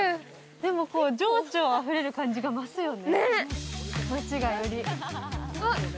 でも情緒あふれる感じが増すよね。